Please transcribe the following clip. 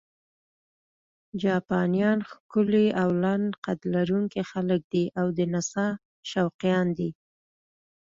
جاپانیان ښکلي او لنډ قد لرونکي خلک دي او د نڅا شوقیان دي.